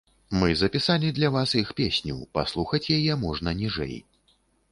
Мы запісалі для вас іх песню, паслухаць яе можна ніжэй.